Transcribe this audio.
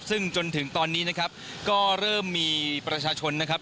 ซึ่งจนถึงตอนนี้นะครับก็เริ่มมีประชาชนนะครับ